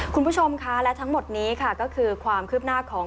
คุณผู้ชมค่ะและทั้งหมดนี้ค่ะก็คือความคืบหน้าของ